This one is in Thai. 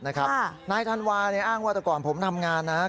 นะครับนายธันวาอ้างวัตกรผมทำงานนะครับ